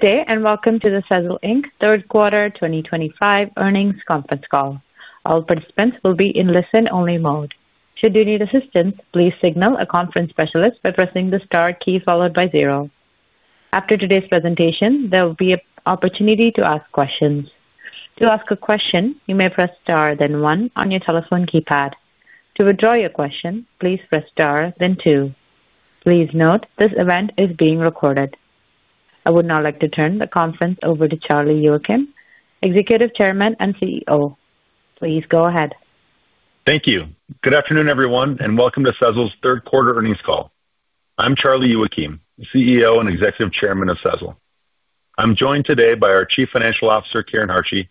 Good day and welcome to the Sezzle Q3 2025 earnings conference call. All participants will be in listen-only mode. Should you need assistance, please signal a conference specialist by pressing the star key followed by zero. After today's presentation, there will be an opportunity to ask questions. To ask a question, you may press star then one on your telephone keypad. To withdraw your question, please press star then two. Please note this event is being recorded. I would now like to turn the conference over to Charlie Youakim, Executive Chairman and CEO. Please go ahead. Thank you. Good afternoon, everyone, and welcome to Sezzle's Q3 earnings call. I'm Charlie Youakim, CEO and Executive Chairman of Sezzle. I'm joined today by our Chief Financial Officer, Karen Hartje,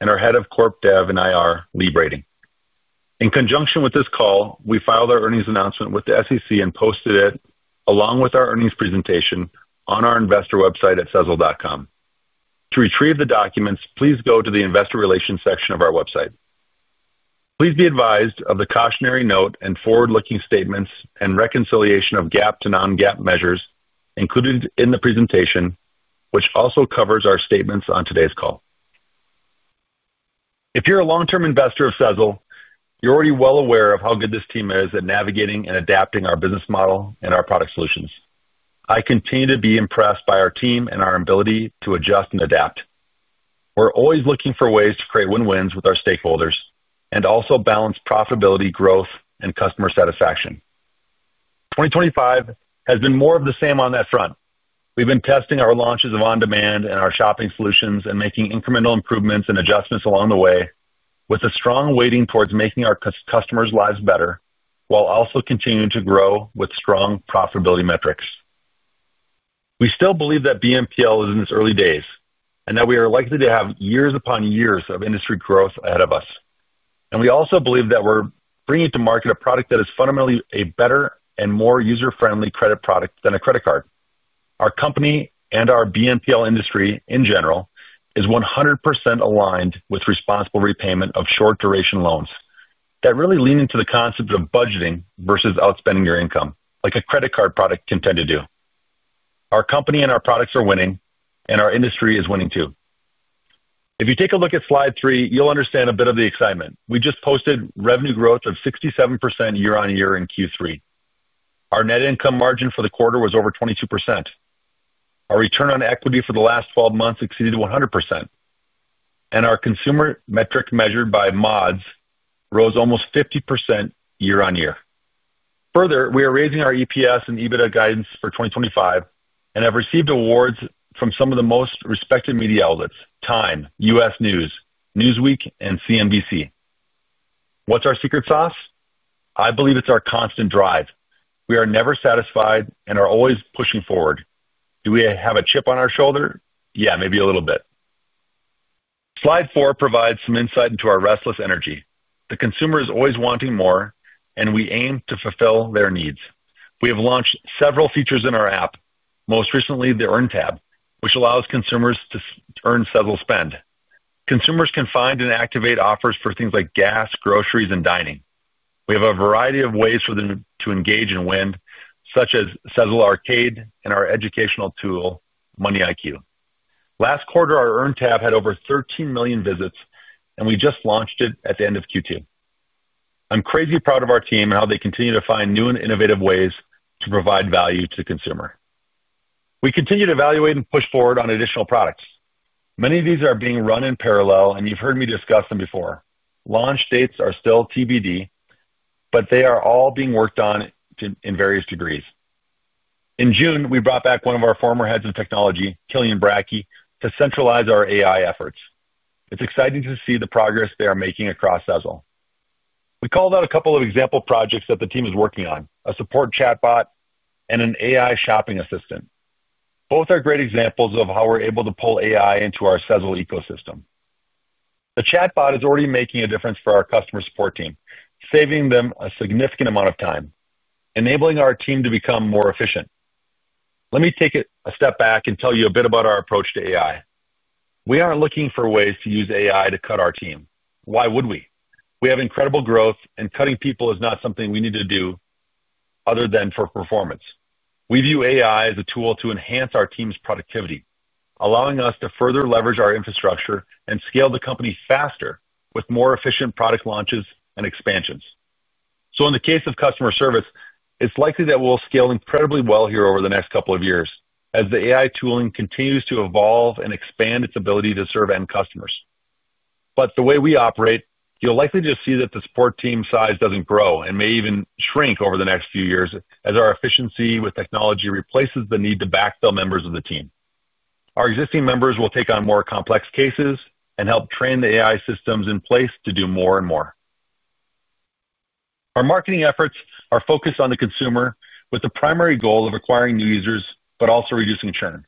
and our Head of Corporate Development and Investor Relations, Lee Brading. In conjunction with this call, we filed our earnings announcement with the SEC and posted it along with our earnings presentation on our investor website at sezzle.com. To retrieve the documents, please go to the Investor Relations section of our website. Please be advised of the cautionary note and forward-looking statements and reconciliation of GAAP to Non-GAAP measures included in the presentation, which also covers our statements on today's call. If you're a long-term investor of Sezzle, you're already well aware of how good this team is at navigating and adapting our business model and our product solutions. I continue to be impressed by our team and our ability to adjust and adapt. We're always looking for ways to create win-wins with our stakeholders and also balance profitability, growth, and customer satisfaction. 2025 has been more of the same on that front. We've been testing our launches of on-demand and our shopping solutions and making incremental improvements and adjustments along the way, with a strong weighting towards making our customers' lives better while also continuing to grow with strong profitability metrics. We still believe that BNPL is in its early days and that we are likely to have years upon years of industry growth ahead of us. We also believe that we're bringing to market a product that is fundamentally a better and more user-friendly credit product than a credit card. Our company and our BNPL industry in general is 100% aligned with responsible repayment of short-duration loans that really lean into the concept of budgeting versus outspending your income, like a credit card product can tend to do. Our company and our products are winning, and our industry is winning too. If you take a look at slide three, you'll understand a bit of the excitement. We just posted revenue growth of 67% year-on-year in Q3. Our net income margin for the quarter was over 22%. Our return on equity for the last 12 months exceeded 100%. Our consumer metric measured by mods rose almost 50% year-on-year. Further, we are raising our EPS and EBITDA guidance for 2025 and have received awards from some of the most respected media outlets: Time, U.S. News, Newsweek, and CNBC. What's our secret sauce? I believe it's our constant drive. We are never satisfied and are always pushing forward. Do we have a chip on our shoulder? Yeah, maybe a little bit. Slide four provides some insight into our restless energy. The consumer is always wanting more, and we aim to fulfill their needs. We have launched several features in our app, most recently the Earn tab, which allows consumers to earn Sezzle Spend. Consumers can find and activate offers for things like gas, groceries, and dining. We have a variety of ways for them to engage and win, such as Sezzle Arcade and our educational tool, Money IQ. Last quarter, our Earn tab had over 13 million visits, and we just launched it at the end of Q2. I'm crazy proud of our team and how they continue to find new and innovative ways to provide value to the consumer. We continue to evaluate and push forward on additional products. Many of these are being run in parallel, and you've heard me discuss them before. Launch dates are still TBD, but they are all being worked on. In various degrees. In June, we brought back one of our former heads of technology, Killian Bracke, to centralize our AI efforts. It's exciting to see the progress they are making across Sezzle. We called out a couple of example projects that the team is working on: a support chatbot and an AI shopping assistant. Both are great examples of how we're able to pull AI into our Sezzle ecosystem. The chatbot is already making a difference for our customer support team, saving them a significant amount of time, enabling our team to become more efficient. Let me take a step back and tell you a bit about our approach to AI. We aren't looking for ways to use AI to cut our team. Why would we? We have incredible growth, and cutting people is not something we need to do, other than for performance. We view AI as a tool to enhance our team's productivity, allowing us to further leverage our infrastructure and scale the company faster with more efficient product launches and expansions. In the case of customer service, it's likely that we'll scale incredibly well here over the next couple of years as the AI tooling continues to evolve and expand its ability to serve end customers. The way we operate, you'll likely just see that the support team size doesn't grow and may even shrink over the next few years as our efficiency with technology replaces the need to backfill members of the team. Our existing members will take on more complex cases and help train the AI systems in place to do more and more. Our marketing efforts are focused on the consumer with the primary goal of acquiring new users but also reducing churn.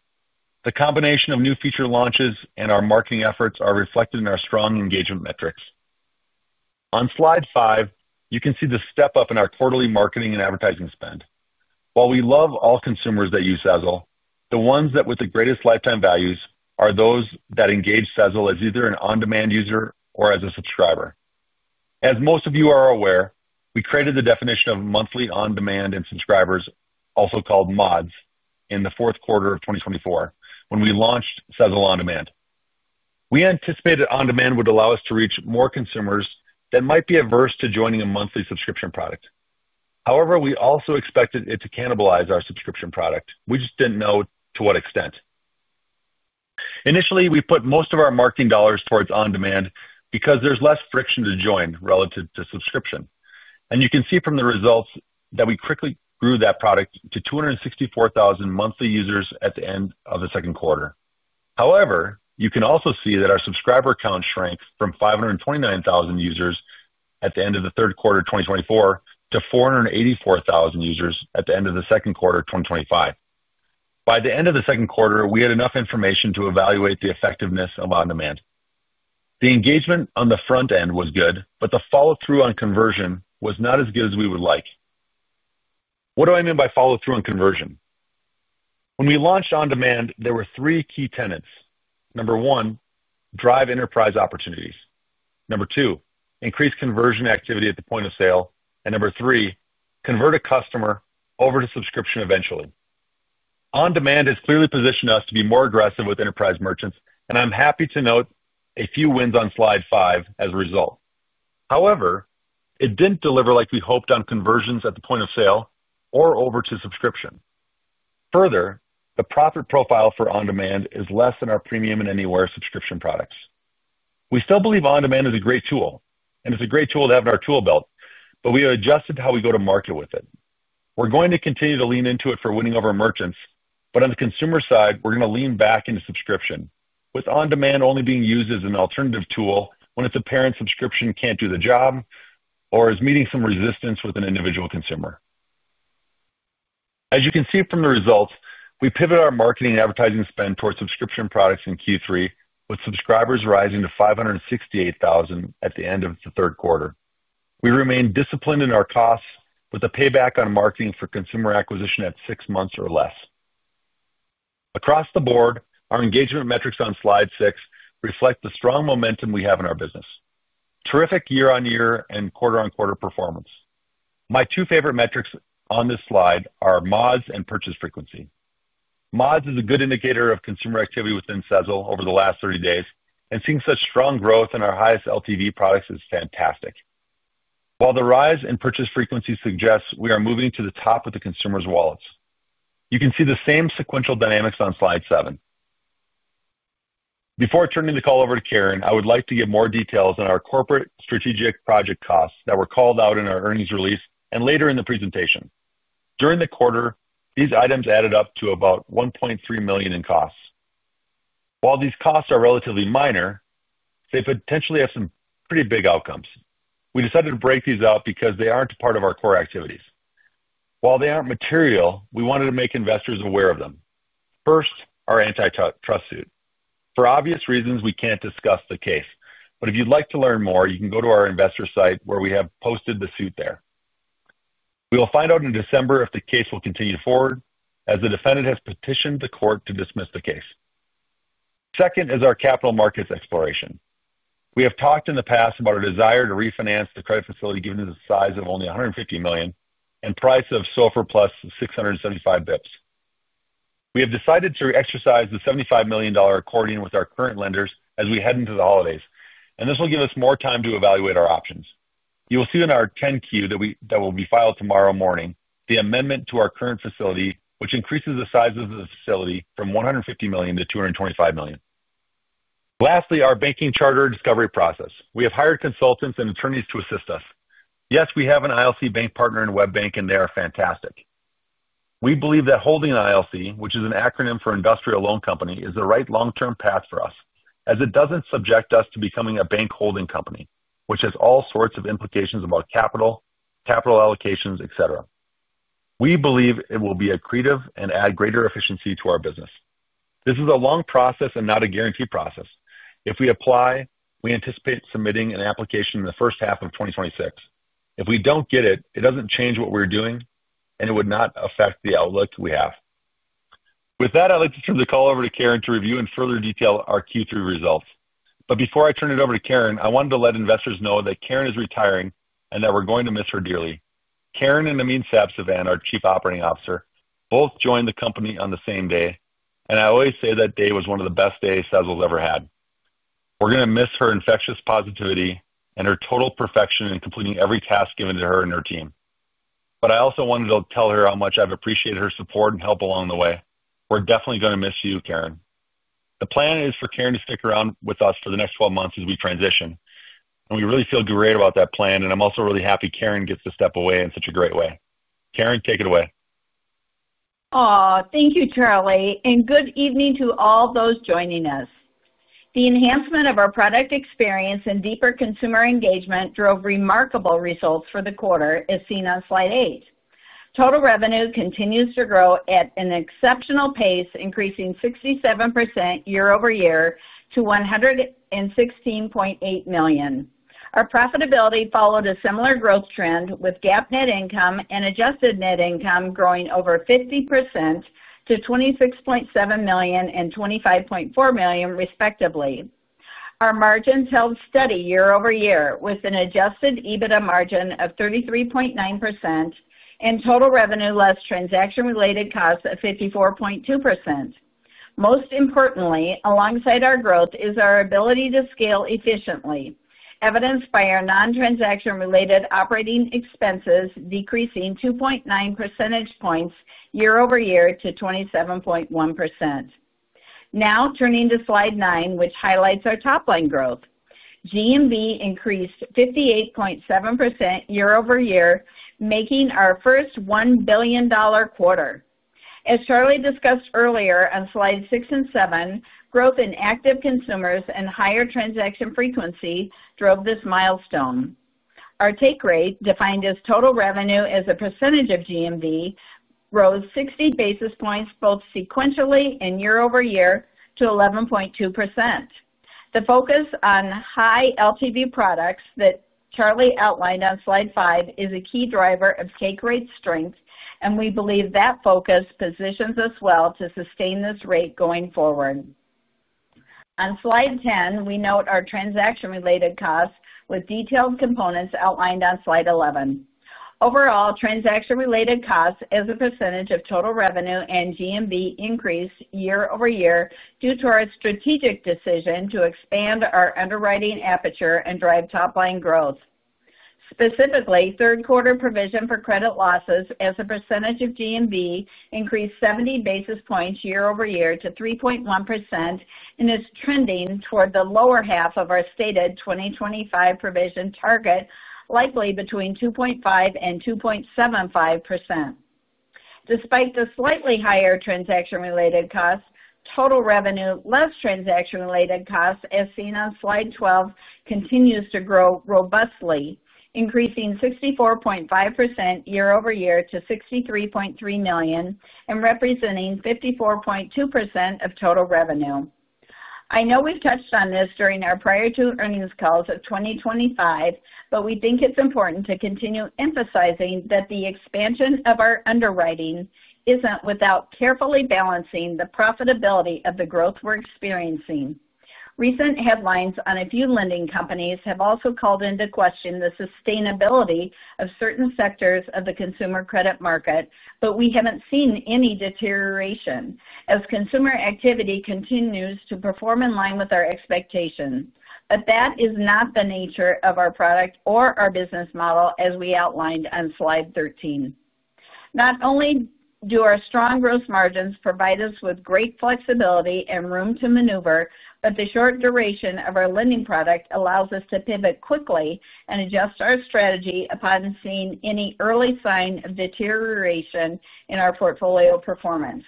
The combination of new feature launches and our marketing efforts are reflected in our strong engagement metrics. On slide five, you can see the step-up in our quarterly marketing and advertising spend. While we love all consumers that use Sezzle, the ones with the greatest lifetime values are those that engage Sezzle as either an on-demand user or as a subscriber. As most of you are aware, we created the definition of monthly on-demand and subscribers, also called mods, in the Q4 of 2024 when we launched Sezzle On-Demand. We anticipated on-demand would allow us to reach more consumers that might be averse to joining a monthly subscription product. However, we also expected it to cannibalize our subscription product. We just did not know to what extent. Initially, we put most of our marketing dollars towards on-demand because there is less friction to join relative to subscription. You can see from the results that we quickly grew that product to 264,000 monthly users at the end of the second quarter. However, you can also see that our subscriber count shrank from 529,000 users at the end of Q3 2024 to 484,000 users at the end of the second quarter of 2025. By the end of the second quarter, we had enough information to evaluate the effectiveness of on-demand. The engagement on the front end was good, but the follow-through on conversion was not as good as we would like. What do I mean by follow-through on conversion? When we launched on-demand, there were three key tenets. Number one, drive enterprise opportunities. Number two, increase conversion activity at the point of sale. Number three, convert a customer over to subscription eventually. On-demand has clearly positioned us to be more aggressive with enterprise merchants, and I'm happy to note a few wins on slide five as a result. However, it did not deliver like we hoped on conversions at the point of sale or over to subscription. Further, the profit profile for on-demand is less than our Premium and Anywhere subscription products. We still believe on-demand is a great tool, and it is a great tool to have in our tool belt, but we have adjusted how we go to market with it. We're going to continue to lean into it for winning over merchants, but on the consumer side, we're going to lean back into subscription, with on-demand only being used as an alternative tool when it's apparent subscription can't do the job or is meeting some resistance with an individual consumer. As you can see from the results, we pivot our marketing and advertising spend towards subscription products in Q3, with subscribers rising to 568,000 at the end of the third quarter. We remain disciplined in our costs, with a payback on marketing for consumer acquisition at six months or less. Across the board, our engagement metrics on slide six reflect the strong momentum we have in our business: terrific year-on-year and quarter-on-quarter performance. My two favorite metrics on this slide are mods and purchase frequency. Mods is a good indicator of consumer activity within Sezzle over the last 30 days, and seeing such strong growth in our highest LTV products is fantastic. While the rise in purchase frequency suggests we are moving to the top of the consumer's wallets, you can see the same sequential dynamics on slide seven. Before turning the call over to Karen, I would like to give more details on our corporate strategic project costs that were called out in our earnings release and later in the presentation. During the quarter, these items added up to about $1.3 million in costs. While these costs are relatively minor, they potentially have some pretty big outcomes. We decided to break these out because they are not part of our core activities. While they are not material, we wanted to make investors aware of them. First, our antitrust suit. For obvious reasons, we can't discuss the case, but if you'd like to learn more, you can go to our investor site where we have posted the suit there. We will find out in December if the case will continue forward as the defendant has petitioned the court to dismiss the case. Second is our capital markets exploration. We have talked in the past about our desire to refinance the credit facility given the size of only $150 million and price of SOFR plus 675 basis points. We have decided to exercise the $75 million accordion with our current lenders as we head into the holidays, and this will give us more time to evaluate our options. You will see in our 10-Q that will be filed tomorrow morning the amendment to our current facility, which increases the size of the facility from $150 million to $225 million. Lastly, our banking charter discovery process. We have hired consultants and attorneys to assist us. Yes, we have an ILC bank partner in Web Bank, and they are fantastic. We believe that holding an ILC, which is an acronym for Industrial Loan Company, is the right long-term path for us as it does not subject us to becoming a bank holding company, which has all sorts of implications about capital, capital allocations, et cetera. We believe it will be accretive and add greater efficiency to our business. This is a long process and not a guaranteed process. If we apply, we anticipate submitting an application in the first half of 2026. If we do not get it, it does not change what we are doing, and it would not affect the outlook we have. With that, I would like to turn the call over to Karen to review in further detail our Q3 results. Before I turn it over to Karen, I wanted to let investors know that Karen is retiring and that we're going to miss her dearly. Karen and Amine Sabzavan, our Chief Operating Officer, both joined the company on the same day, and I always say that day was one of the best days Sezzle's ever had. We're going to miss her infectious positivity and her total perfection in completing every task given to her and her team. I also wanted to tell her how much I've appreciated her support and help along the way. We're definitely going to miss you, Karen. The plan is for Karen to stick around with us for the next 12 months as we transition, and we really feel great about that plan. I'm also really happy Karen gets to step away in such a great way. Karen, take it away. Aw, thank you, Charlie. Good evening to all those joining us. The enhancement of our product experience and deeper consumer engagement drove remarkable results for the quarter, as seen on slide eight. Total revenue continues to grow at an exceptional pace, increasing 67% year-over-year to $116.8 million. Our profitability followed a similar growth trend, with GAAP net income and adjusted net income growing over 50% to $26.7 million and $25.4 million, respectively. Our margins held steady year-over-year, with an Adjusted EBITDA margin of 33.9%. Total revenue less transaction-related costs was $54.2 million. Most importantly, alongside our growth is our ability to scale efficiently, evidenced by our non-transaction-related operating expenses decreasing 2.9 percentage points year-over-year to 27.1%. Now turning to slide nine, which highlights our top-line growth. GMV increased 58.7% year-over-year, making our first $1 billion quarter. As Charlie discussed earlier on slides six and seven, growth in active consumers and higher transaction frequency drove this milestone. Our take rate, defined as total revenue as a percentage of GMV, rose 60 basis points both sequentially and year-over-year to 11.2%. The focus on high LTV products that Charlie outlined on slide five is a key driver of take rate strength, and we believe that focus positions us well to sustain this rate going forward. On slide 10, we note our transaction-related costs with detailed components outlined on slide 11. Overall, transaction-related costs as a percentage of total revenue and GMV increased year-over-year due to our strategic decision to expand our underwriting aperture and drive top-line growth. Specifically, third-quarter provision for credit losses as a percentage of GMV increased 70 basis points year-over-year to 3.1% and is trending toward the lower half of our stated 2025 provision target, likely between 2.5% and 2.75%. Despite the slightly higher transaction-related costs, total revenue less transaction-related costs, as seen on slide 12, continues to grow robustly, increasing 64.5% year-over-year to $63.3 million and representing 54.2% of total revenue. I know we've touched on this during our prior two earnings calls of 2025, but we think it's important to continue emphasizing that the expansion of our underwriting isn't without carefully balancing the profitability of the growth we're experiencing. Recent headlines on a few lending companies have also called into question the sustainability of certain sectors of the consumer credit market, but we haven't seen any deterioration as consumer activity continues to perform in line with our expectation. That is not the nature of our product or our business model, as we outlined on slide 13. Not only do our strong gross margins provide us with great flexibility and room to maneuver, but the short duration of our lending product allows us to pivot quickly and adjust our strategy upon seeing any early sign of deterioration in our portfolio performance.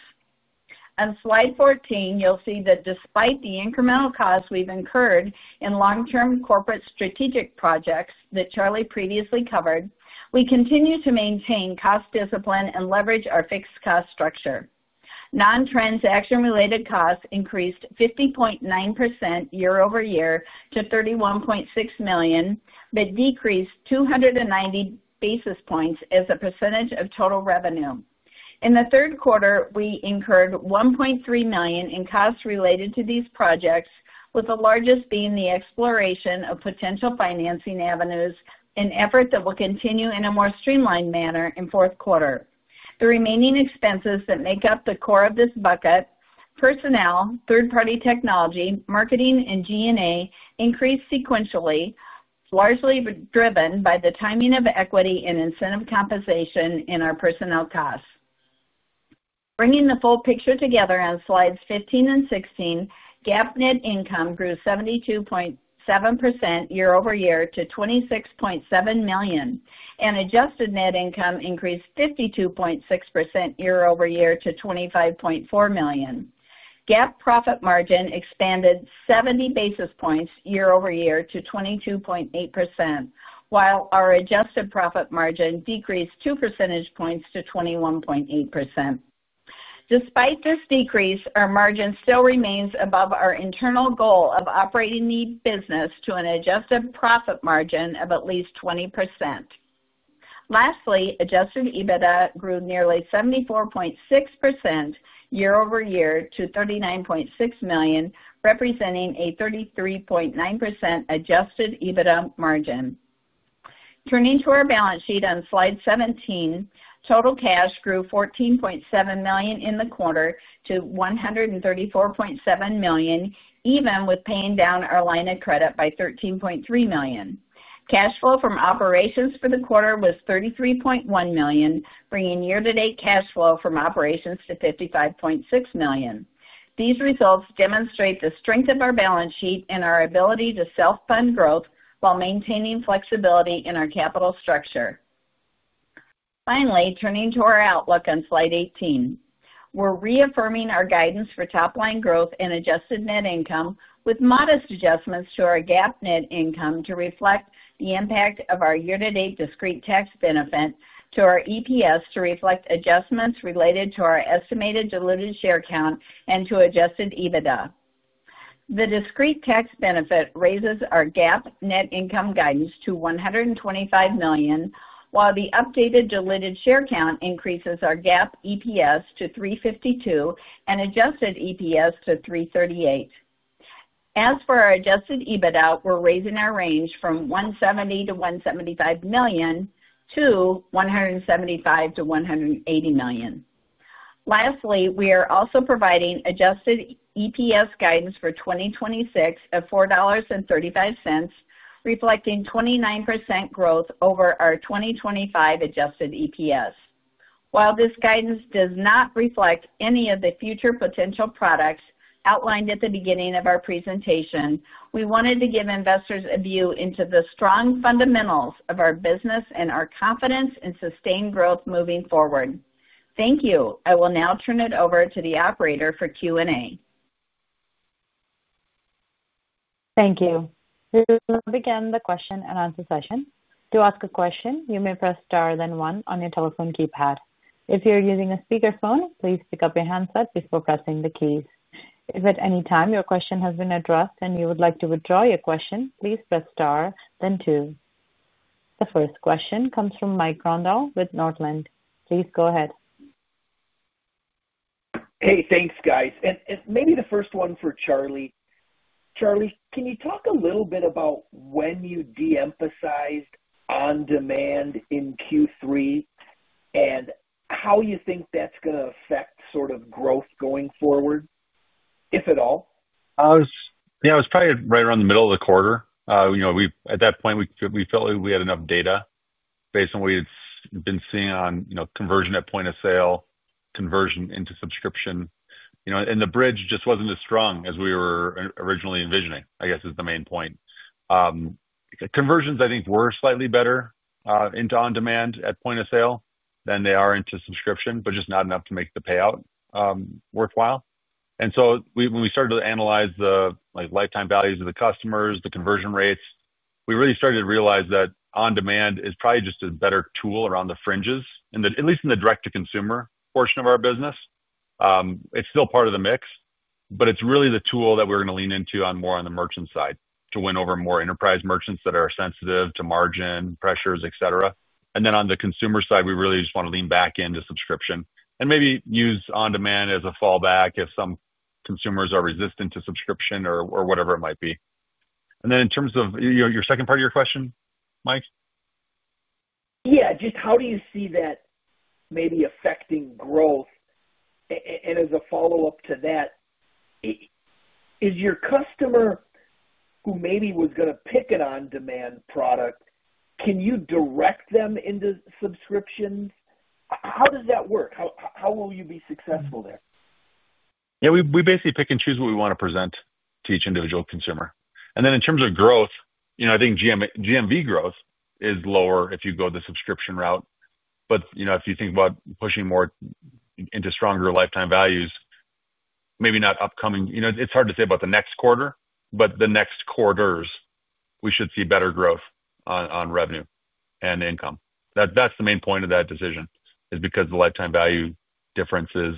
On slide 14, you'll see that despite the incremental costs we've incurred in long-term corporate strategic projects that Charlie previously covered, we continue to maintain cost discipline and leverage our fixed cost structure. Non-transaction-related costs increased 50.9% year-over-year to $31.6 million, but decreased 290 basis points as a percentage of total revenue. In the third quarter, we incurred $1.3 million in costs related to these projects, with the largest being the exploration of potential financing avenues, an effort that will continue in a more streamlined manner in Q4. The remaining expenses that make up the core of this bucket, personnel, third-party technology, marketing, and G&A, increased sequentially, largely driven by the timing of equity and incentive compensation in our personnel costs. Bringing the full picture together on slides 15 and 16, GAAP net income grew 72.7% year-over-year to $26.7 million, and adjusted net income increased 52.6% year-over-year to $25.4 million. GAAP profit margin expanded 70 basis points year-over-year to 22.8%, while our adjusted profit margin decreased 2 percentage points to 21.8%. Despite this decrease, our margin still remains above our internal goal of operating the business to an adjusted profit margin of at least 20%. Lastly, Adjusted EBITDA grew nearly 74.6% year-over-year to $39.6 million, representing a 33.9% Adjusted EBITDA margin. Turning to our balance sheet on slide 17, total cash grew $14.7 million in the quarter to $134.7 million, even with paying down our line of credit by $13.3 million. Cash flow from operations for the quarter was $33.1 million, bringing year-to-date cash flow from operations to $55.6 million. These results demonstrate the strength of our balance sheet and our ability to self-fund growth while maintaining flexibility in our capital structure. Finally, turning to our outlook on slide 18, we're reaffirming our guidance for top-line growth and adjusted net income with modest adjustments to our GAAP net income to reflect the impact of our year-to-date discrete tax benefit, to our EPS to reflect adjustments related to our estimated diluted share count, and to Adjusted EBITDA. The discrete tax benefit raises our GAAP net income guidance to $125 million, while the updated diluted share count increases our GAAP EPS to $3.52 and adjusted EPS to $3.38. As for our Adjusted EBITDA, we're raising our range from $170 million-$175 million to $175 million-$180 million. Lastly, we are also providing adjusted EPS guidance for 2026 at $4.35, reflecting 29% growth over our 2025 adjusted EPS. While this guidance does not reflect any of the future potential products outlined at the beginning of our presentation, we wanted to give investors a view into the strong fundamentals of our business and our confidence in sustained growth moving forward. Thank you. I will now turn it over to the operator for Q&A. Thank you. We will begin the question-and-answer session. To ask a question, you may press star then one on your telephone keypad. If you're using a speakerphone, please pick up your handset before pressing the keys. If at any time your question has been addressed and you would like to withdraw your question, please press star then two. The first question comes from Mike Grondahl with Northland. Please go ahead. Hey, thanks, guys. Maybe the first one for Charlie. Charlie, can you talk a little bit about when you de-emphasized on-demand in Q3, and how you think that's going to affect sort of growth going forward, if at all? Yeah, it was probably right around the middle of the quarter. At that point, we felt like we had enough data based on what we had been seeing on conversion at point of sale, conversion into subscription, and the bridge just wasn't as strong as we were originally envisioning, I guess, is the main point. Conversions, I think, were slightly better into on-demand at point of sale than they are into subscription, but just not enough to make the payout worthwhile. When we started to analyze the lifetime values of the customers, the conversion rates, we really started to realize that on-demand is probably just a better tool around the fringes, at least in the direct-to-consumer portion of our business. It is still part of the mix, but it is really the tool that we are going to lean into more on the merchant side to win over more enterprise merchants that are sensitive to margin pressures, et cetera. On the consumer side, we really just want to lean back into subscription and maybe use on-demand as a fallback if some consumers are resistant to subscription or whatever it might be. In terms of the second part of your question, Mike? Yeah, just how do you see that? Maybe affecting growth? As a follow-up to that, is your customer, who maybe was going to pick an on-demand product, can you direct them into subscriptions? How does that work? How will you be successful there? Yeah, we basically pick and choose what we want to present to each individual consumer. In terms of growth, I think GMV growth is lower if you go the subscription route. If you think about pushing more into stronger lifetime values, maybe not upcoming—it's hard to say about the next quarter—but the next quarters, we should see better growth on revenue and income. That's the main point of that decision, is because the lifetime value differences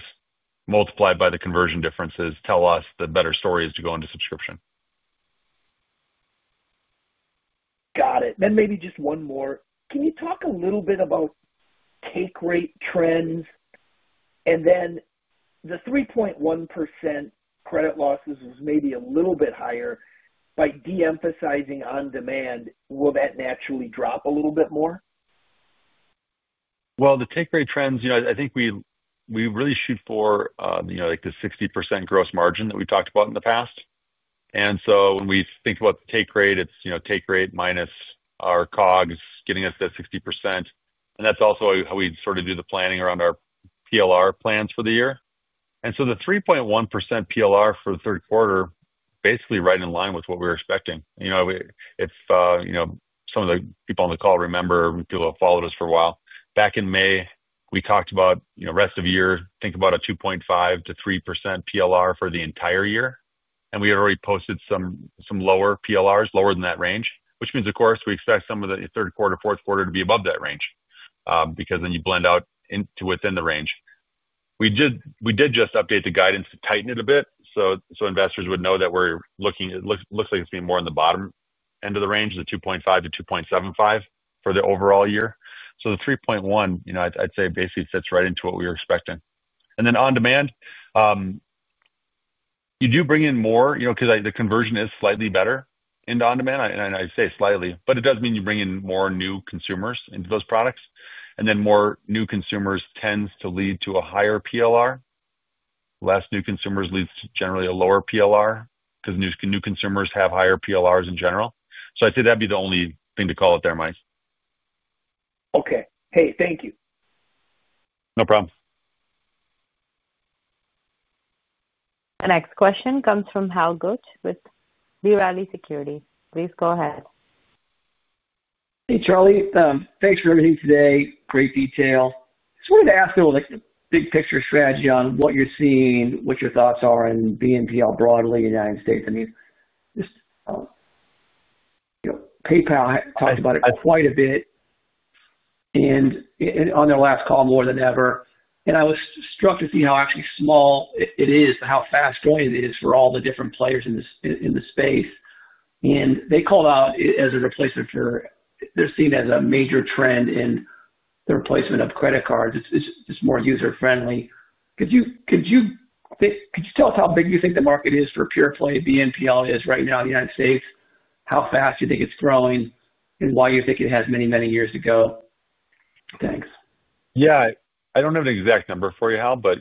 multiplied by the conversion differences tell us the better story is to go into subscription. Got it. Maybe just one more. Can you talk a little bit about take rate trends? And then the 3.1% credit losses was maybe a little bit higher. By de-emphasizing on-demand, will that naturally drop a little bit more? The take rate trends, I think we really shoot for the 60% gross margin that we talked about in the past. When we think about the take rate, it's take rate minus our COGS getting us to 60%. That's also how we sort of do the planning around our PLR plans for the year. The 3.1% PLR for the third quarter is basically right in line with what we were expecting. If some of the people on the call remember, people who have followed us for a while, back in May, we talked about rest of year, think about a 2.5% -3% PLR for the entire year. We had already posted some lower PLRs, lower than that range, which means, of course, we expect some of the third quarter, fourth quarter to be above that range because you blend out into within the range. We did just update the guidance to tighten it a bit so investors would know that we're looking—it looks like it's being more in the bottom end of the range, the 2.5%-2.75% for the overall year. The 3.1%, I'd say, basically sits right into what we were expecting. On-demand, you do bring in more because the conversion is slightly better into on-demand. I say slightly, but it does mean you bring in more new consumers into those products. More new consumers tends to lead to a higher PLR. Less new consumers leads to generally a lower PLR because new consumers have higher PLRs in general. I'd say that'd be the only thing to call it there, Mike. Okay. Hey, thank you. No problem. The next question comes from Hal Goetsch with B. Riley Securities. Please go ahead. Hey, Charlie. Thanks for everything today. Great detail. I just wanted to ask a big picture strategy on what you're seeing, what your thoughts are in BNPL broadly in the United States. I mean, just. PayPal talked about it quite a bit on their last call, more than ever. I was struck to see how actually small it is, how fast-growing it is for all the different players in the space. They called out as a replacement for—they're seen as a major trend in the replacement of credit cards. It's more user-friendly. Could you. Tell us how big you think the market is for PurePlay BNPL is right now in the United States? How fast do you think it's growing and why you think it has many, many years to go? Thanks. Yeah. I don't have an exact number for you, Hal, but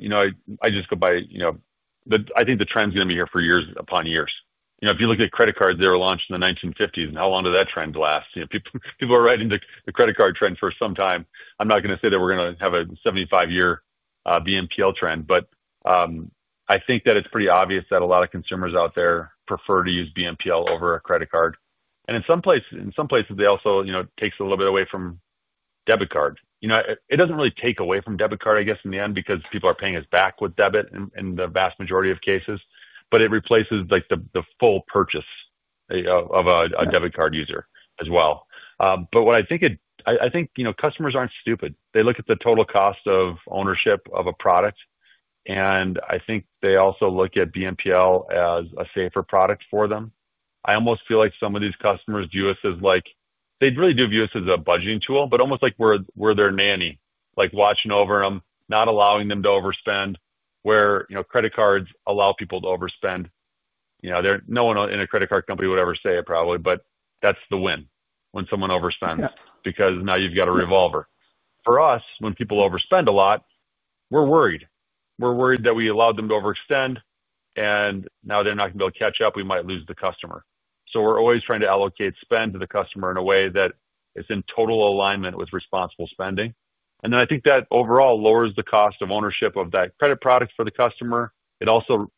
I just go by—I think the trend's going to be here for years upon years. If you look at credit cards, they were launched in the 1950s. And how long did that trend last? People are riding the credit card trend for some time. I'm not going to say that we're going to have a 75-year BNPL trend, but. I think that it's pretty obvious that a lot of consumers out there prefer to use BNPL over a credit card. And in some places, it also takes a little bit away from debit card. It doesn't really take away from debit card, I guess, in the end, because people are paying us back with debit in the vast majority of cases, but it replaces the full purchase of a debit card user as well. What I think—I think customers aren't stupid. They look at the total cost of ownership of a product. I think they also look at BNPL as a safer product for them. I almost feel like some of these customers view us as like—they really do view us as a budgeting tool, but almost like we're their nanny, like watching over them, not allowing them to overspend, where credit cards allow people to overspend. No one in a credit card company would ever say it, probably, but that's the win when someone overspends because now you've got a revolver. For us, when people overspend a lot, we're worried. We're worried that we allowed them to overextend, and now they're not going to be able to catch up. We might lose the customer. We are always trying to allocate spend to the customer in a way that is in total alignment with responsible spending. I think that overall lowers the cost of ownership of that credit product for the customer. It also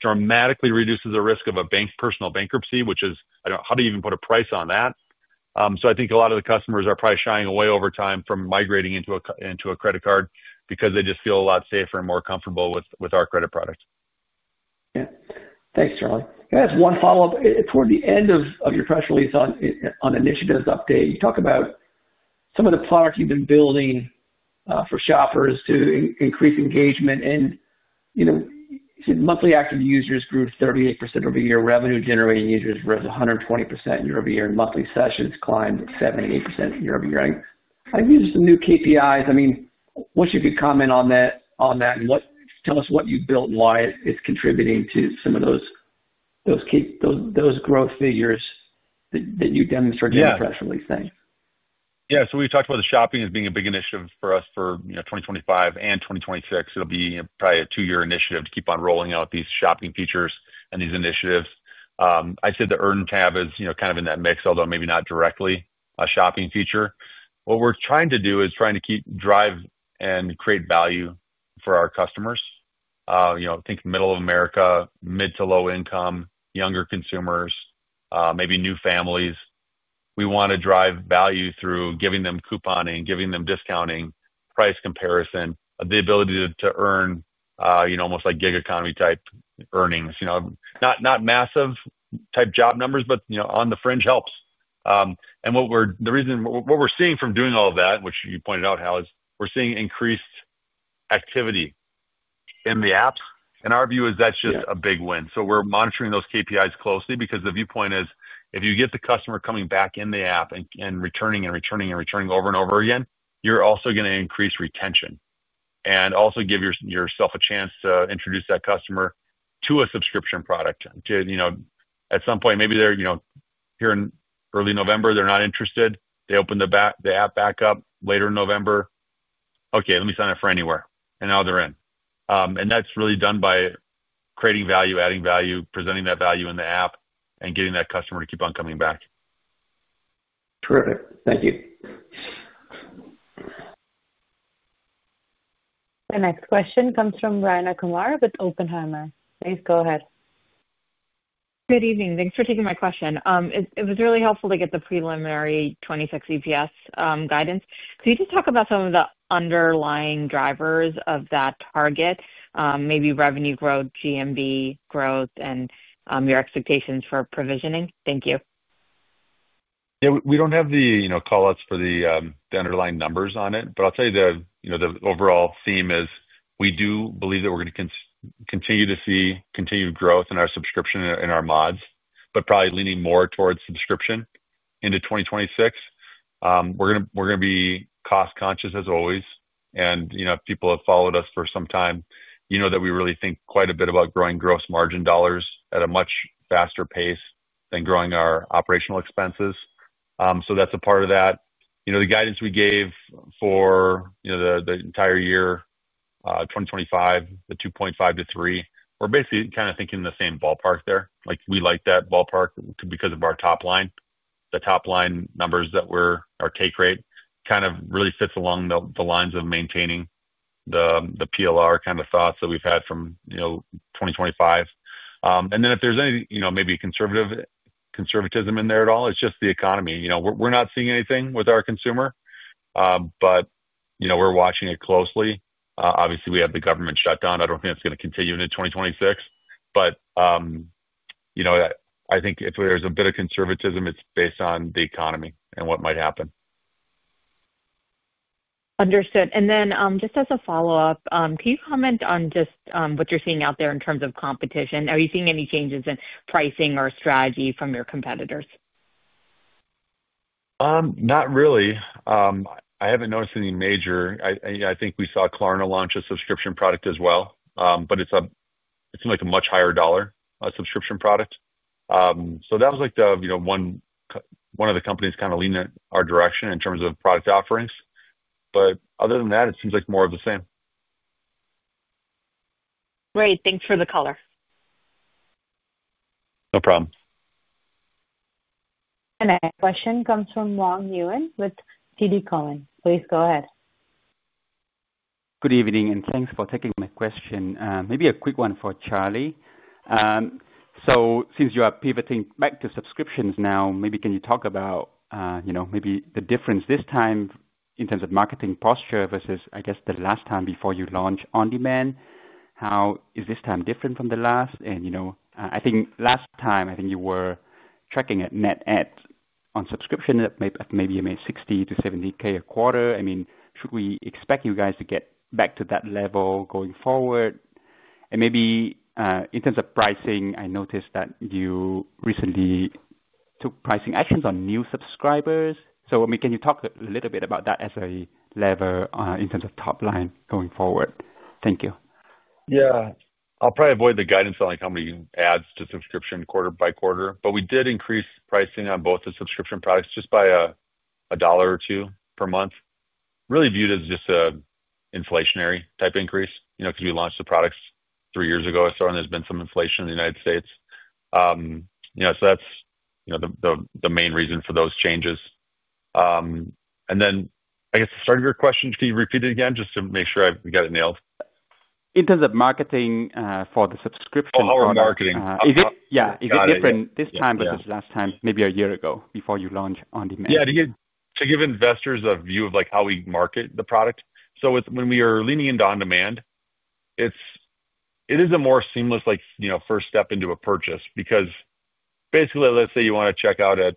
dramatically reduces the risk of a personal bankruptcy, which is—I do not know how to even put a price on that. I think a lot of the customers are probably shying away over time from migrating into a credit card because they just feel a lot safer and more comfortable with our credit product. Yeah. Thanks, Charlie. I have one follow-up. Toward the end of your press release on initiatives update, you talk about some of the products you have been building. For shoppers to increase engagement. Monthly active users grew 38% over year, revenue-generating users rose 120% year-over-year, and monthly sessions climbed 78% year-over-year. I think these are some new KPIs. I mean, what's your comment on that? Tell us what you built and why it's contributing to some of those growth figures that you demonstrated in the press release thing. Yeah. We talked about the shopping as being a big initiative for us for 2025 and 2026. It'll be probably a two-year initiative to keep on rolling out these shopping features and these initiatives. I said the Earn Tab is kind of in that mix, although maybe not directly a shopping feature. What we're trying to do is trying to drive and create value for our customers. Think middle of America, mid to low-income, younger consumers, maybe new families. We want to drive value through giving them couponing, giving them discounting, price comparison, the ability to earn. Almost like gig economy-type earnings. Not massive-type job numbers, but on the fringe helps. The reason what we're seeing from doing all of that, which you pointed out, Hal, is we're seeing increased activity in the apps. Our view is that's just a big win. We are monitoring those KPIs closely because the viewpoint is, if you get the customer coming back in the app and returning and returning and returning over and over again, you're also going to increase retention and also give yourself a chance to introduce that customer to a subscription product. At some point, maybe they're here in early November, they're not interested. They open the app back up later in November. "Okay, let me sign up for Anywhere." Now they're in. That's really done by creating value, adding value, presenting that value in the app, and getting that customer to keep on coming back. Terrific. Thank you. The next question comes from Rayna Kumar with Oppenheimer. Please go ahead. Good evening. Thanks for taking my question. It was really helpful to get the preliminary 2026 EPS guidance. Could you just talk about some of the underlying drivers of that target, maybe revenue growth, GMV growth, and your expectations for provisioning? Thank you. Yeah. We do not have the callouts for the underlying numbers on it, but I'll tell you the overall theme is we do believe that we're going to continue to see continued growth in our subscription and our mods, but probably leaning more towards subscription into 2026. We're going to be cost-conscious as always. If people have followed us for some time, you know that we really think quite a bit about growing gross margin dollars at a much faster pace than growing our operational expenses. That is a part of that. The guidance we gave for the entire year 2025, the 2.5-3, we are basically kind of thinking in the same ballpark there. We like that ballpark because of our top line. The top line numbers that we are, our take rate kind of really sits along the lines of maintaining the PLR kind of thoughts that we have had from 2025. If there is any maybe conservativism in there at all, it is just the economy. We are not seeing anything with our consumer, but we are watching it closely. Obviously, we have the government shutdown. I do not think that is going to continue into 2026. I think if there's a bit of conservatism, it's based on the economy and what might happen. Understood. And then just as a follow-up, can you comment on just what you're seeing out there in terms of competition? Are you seeing any changes in pricing or strategy from your competitors? Not really. I haven't noticed any major. I think we saw Klarna launch a subscription product as well, but it seemed like a much higher dollar subscription product. That was one of the companies kind of leaning our direction in terms of product offerings. Other than that, it seems like more of the same. Great. Thanks for the caller. No problem. The next question comes from Wong Yuen with TD Cowen. Please go ahead. Good evening, and thanks for taking my question. Maybe a quick one for Charlie. Since you are pivoting back to subscriptions now, maybe can you talk about maybe the difference this time in terms of marketing posture versus, I guess, the last time before you launched on-demand? How is this time different from the last? I think last time, I think you were tracking a net add on subscription. Maybe you made $60,000-$70,000 a quarter. I mean, should we expect you guys to get back to that level going forward? Maybe in terms of pricing, I noticed that you recently took pricing actions on new subscribers. Can you talk a little bit about that as a lever in terms of top line going forward? Thank you. Yeah. I'll probably avoid the guidance on how many adds to subscription quarter by quarter. We did increase pricing on both the subscription products just by a dollar or two per month. Really viewed as just an inflationary type increase because we launched the products three years ago. There has been some inflation in the United States. That is the main reason for those changes. I guess, to start your question, can you repeat it again just to make sure I've got it nailed? In terms of marketing for the subscription product. Oh, marketing. Yeah. Is it different this time versus last time, maybe a year ago before you launched on-demand? Yeah. To give investors a view of how we market the product. When we are leaning into on-demand, it is a more seamless first step into a purchase because basically, let's say you want to check out at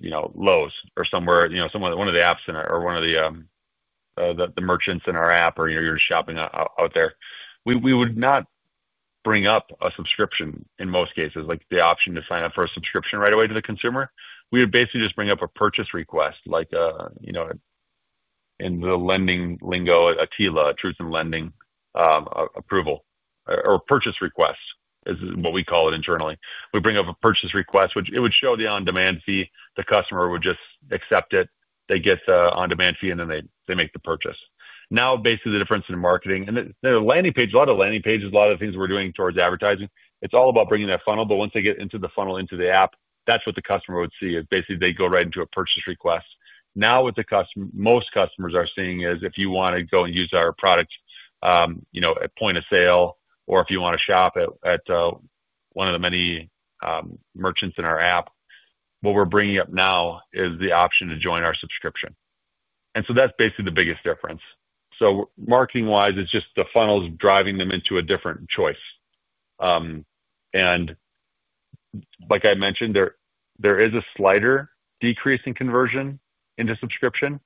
Lowe's or somewhere, one of the apps or one of the. Merchants in our app or you're shopping out there. We would not bring up a subscription in most cases, like the option to sign up for a subscription right away to the consumer. We would basically just bring up a purchase request, like. In the lending lingo, a TLA, truth in lending. Approval, or purchase request is what we call it internally. We bring up a purchase request, which it would show the on-demand fee. The customer would just accept it. They get the on-demand fee, and then they make the purchase. Now, basically, the difference in marketing and the landing page, a lot of landing pages, a lot of things we're doing towards advertising, it's all about bringing that funnel. Once they get into the funnel, into the app, that's what the customer would see is basically they go right into a purchase request. Now, what most customers are seeing is if you want to go and use our product at point of sale or if you want to shop at one of the many merchants in our app, what we're bringing up now is the option to join our subscription. That's basically the biggest difference. Marketing-wise, it's just the funnels driving them into a different choice. Like I mentioned, there is a slighter decrease in conversion into subscription,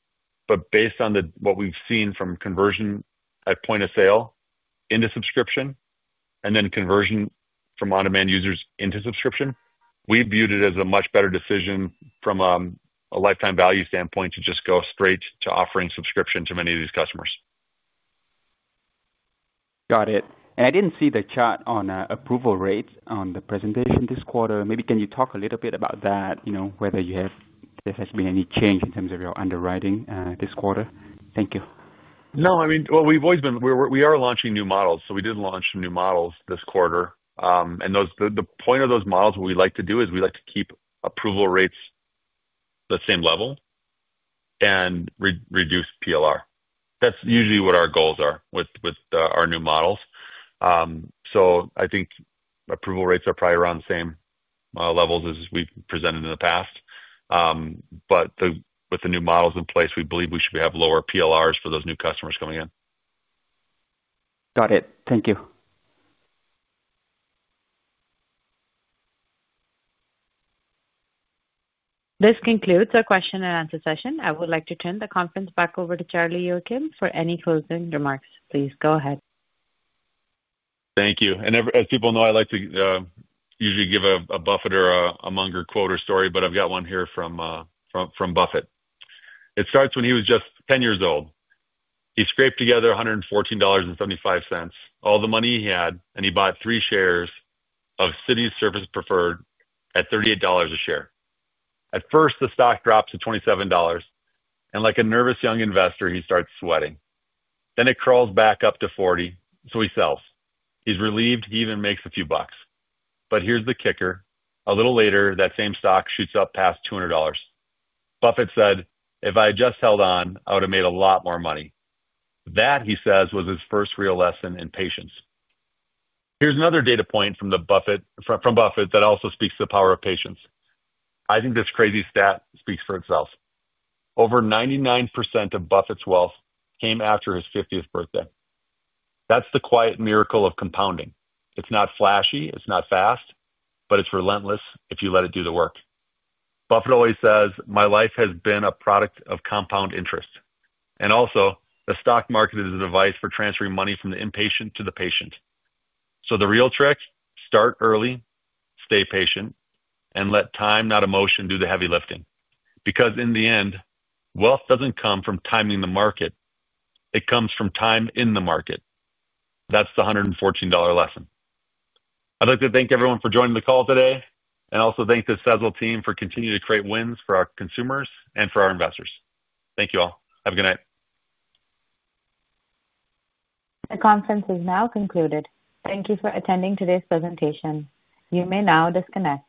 but based on what we've seen from conversion at point of sale into subscription and then conversion from on-demand users into subscription, we've viewed it as a much better decision from a lifetime value standpoint to just go straight to offering subscription to many of these customers. Got it. I didn't see the chart on approval rates on the presentation this quarter. Maybe can you talk a little bit about that, whether there has been any change in terms of your underwriting this quarter? Thank you. No, I mean, we've always been, we are launching new models. We did launch some new models this quarter. The point of those models that we like to do is we like to keep approval rates the same level and reduce PLR. That's usually what our goals are with our new models. I think approval rates are probably around the same levels as we've presented in the past. With the new models in place, we believe we should have lower PLRs for those new customers coming in. Got it. Thank you. This concludes our question-and-answer session. I would like to turn the conference back over to Charlie Youakim for any closing remarks. Please go ahead. Thank you. As people know, I like to usually give a Buffett or a Munger quote or story, but I have got one here from Buffett. It starts when he was just 10 years old. He scraped together $114.75, all the money he had, and he bought three shares of Citi Service Preferred at $38 a share. At first, the stock drops to $27. Like a nervous young investor, he starts sweating. It crawls back up to 40, so he sells. He is relieved. He even makes a few bucks. Here is the kicker. A little later, that same stock shoots up past $200. Buffett said, "If I had just held on, I would have made a lot more money." That, he says, was his first real lesson in patience. Here is another data point from Buffett that also speaks to the power of patience. I think this crazy stat speaks for itself. Over 99% of Buffett's wealth came after his 50th birthday. That's the quiet miracle of compounding. It's not flashy. It's not fast, but it's relentless if you let it do the work. Buffett always says, "My life has been a product of compound interest." Also, the stock market is a device for transferring money from the impatient to the patient. The real trick, start early. Stay patient, and let time, not emotion, do the heavy lifting. Because in the end, wealth doesn't come from timing the market. It comes from time in the market. That's the $114 lesson. I'd like to thank everyone for joining the call today and also thank the Sezzle team for continuing to create wins for our consumers and for our investors. Thank you all. Have a good night. The conference is now concluded. Thank you for attending today's presentation. You may now disconnect.